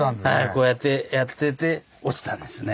こうやってやってて落ちたんですね。